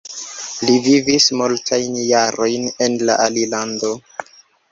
Li vivis multajn jarojn en la alilando.